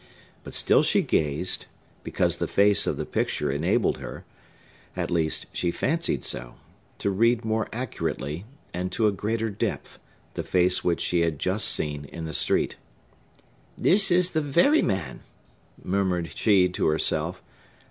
But still she gazed, because the face of the picture enabled her—at least, she fancied so—to read more accurately, and to a greater depth, the face which she had just seen in the street. "This is the very man!" murmured she to herself.